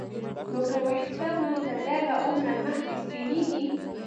نو که ویښته مو تر دغه عمره مخکې سپینېږي